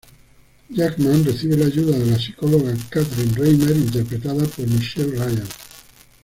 Jackman recibe la ayuda de la psicóloga Katherine Reimer, interpretada por Michelle Ryan.